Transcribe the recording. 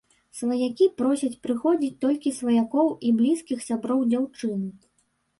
Сваякі просяць прыходзіць толькі сваякоў і блізкіх сяброў дзяўчыны.